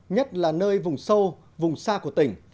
nhất là nơi vùng sâu vùng xa của tỉnh